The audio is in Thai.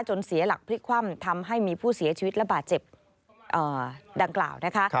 เสียหลักพลิกคว่ำทำให้มีผู้เสียชีวิตระบาดเจ็บดังกล่าวนะคะ